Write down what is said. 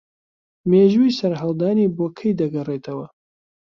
مێژووی سەرهەڵدانی بۆ کەی دەگەڕێتەوە